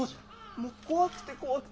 もう怖くて怖くて。